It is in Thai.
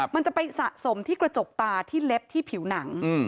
มันจะไปสะสมที่กระจกตาที่เล็บที่ผิวหนัง